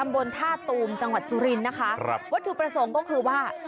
วัชญาณที่ประสงค์ก็คือว่า